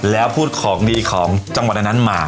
แล้วพูดของดีของจังหวัดอันนั้นมา